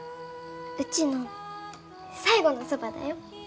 うちの最後のそばだよ。